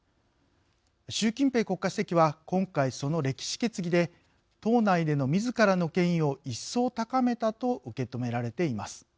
習近平国家主席は今回、その歴史決議で党内でのみずからの権威をいっそう高めたと受け止められています。